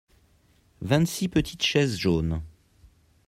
vingt six petites chaises jaunes.